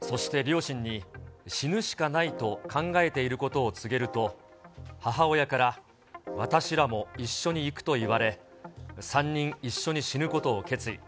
そして両親に、死ぬしかないと考えていることを告げると、母親から私らも一緒にいくと言われ、３人一緒に死ぬことを決意。